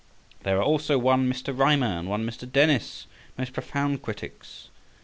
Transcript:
There are also one Mr. Rymer and one Mr. Dennis, most profound critics.